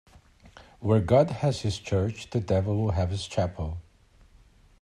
Where God has his church, the devil will have his chapel.